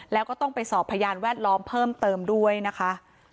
แล้วก็ต้องไปสอบพยานแวดล้อมเพิ่มเติมด้วยนะคะ